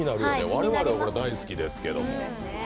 我々は大好きですけど。